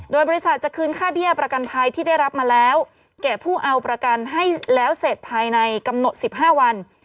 โดยบริษัทจะคืนค่าเบี้ยประกันภัยที่ได้รับมาแล้วแก่ผู้เอาประกันให้แล้วเสร็จภายในกำหนด๑๕วัน